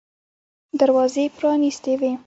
دروازې پرانیستې وې.